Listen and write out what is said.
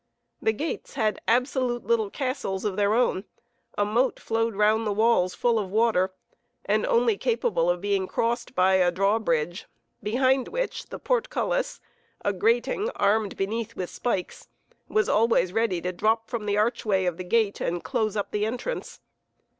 The gates had absolute little castles of their own, a moat flowed round the walls full of water, and only capable of being crossed by a drawbridge, behind which the portcullis, a grating armed beneath with spikes, was always ready to drop from the archway of the gate and close up the entrance.